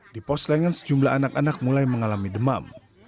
di pos lengan sejumlah anak anak mulai mengalami demam